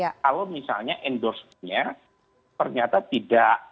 kalau misalnya endorsementnya ternyata tidak